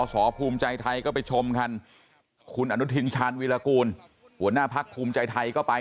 สอภูมิใจไทยก็ไปชมกันคุณอนุทินชาญวีรกูลหัวหน้าพักภูมิใจไทยก็ไป